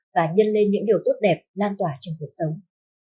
và nhân lên những điều tốt đẹp lan tỏa trong cuộc sống